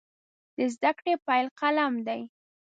د زده کړې پیل قلم دی.